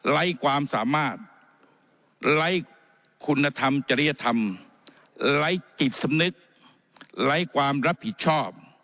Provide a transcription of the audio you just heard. ไร้ความสามารถไร้คุณธรรมจริยธรรมไร้จิตสำนึกไร้ความรับผิดชอบ